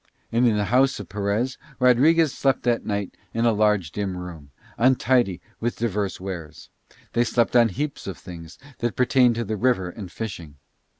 And, in the house of Perez, Rodriguez slept that night in a large dim room, untidy with diverse wares: they slept on heaps of things that pertained to the river and fishing.